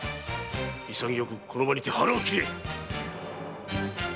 この場にて腹を切れ！